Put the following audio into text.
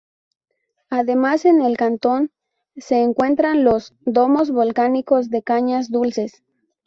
Además, en el cantón se encuentran los "Domos Volcánicos de Cañas Dulces".